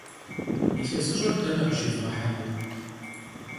Yilhesış'er dene khışivğehenur?